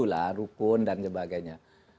lah rukun dan sebagainya